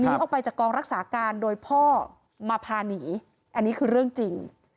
ออกไปจากกองรักษาการโดยพ่อมาพาหนีอันนี้คือเรื่องจริง